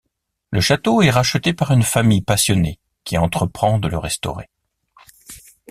Le château est racheté par une famille passionnée qui entreprend de le restaurer.